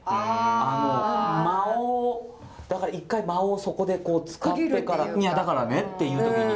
あの間をだから一回間をそこで使って「いやだからね」って言う時に。